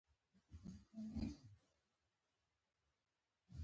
تل رښتیا وایه چی قسم ته اړتیا پیدا نه سي